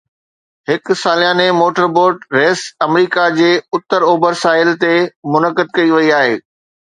هڪ سالياني motor boat race آمريڪا جي اتر اوڀر ساحل تي منعقد ڪئي وئي آهي